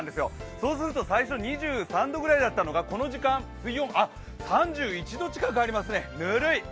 そうすると最初２３度くらいだったのがこの時間、水温、３１度近くありますね、ぬるい！